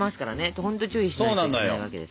ほんと注意しないといけないわけです。